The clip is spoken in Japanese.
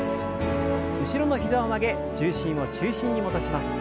後ろの膝を曲げ重心を中心に戻します。